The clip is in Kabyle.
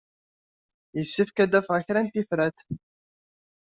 Yessefk ad d-afeɣ kra n tifrat.